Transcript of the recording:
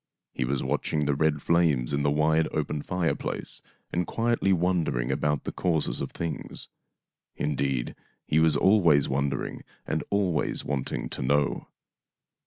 He was watching the red flames in the wide open fireplace and quietly wondering about the causes of things. Indeed, he was always wonder ing and always want ing to know.